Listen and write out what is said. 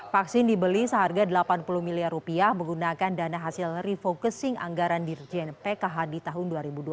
vaksin dibeli seharga delapan puluh miliar rupiah menggunakan dana hasil refocusing anggaran dirjen pkh di tahun dua ribu dua puluh